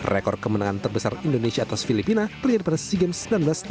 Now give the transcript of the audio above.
rekor kemenangan terbesar indonesia atas filipina terlihat pada sea games seribu sembilan ratus tiga puluh